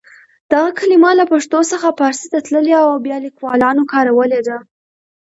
دغه کلمه له پښتو څخه پارسي ته تللې او بیا لیکوالانو کارولې ده.